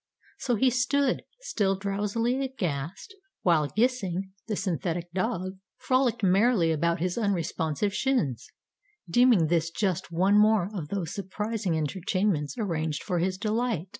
So he stood, still drowsily aghast, while Gissing (the synthetic dog) frolicked merrily about his unresponsive shins, deeming this just one more of those surprising entertainments arranged for his delight.